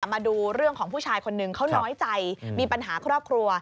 มาดูเรื่องของผู้ชายคนหนึ่งเขาน้อยใจมีปัญหาครอบครัว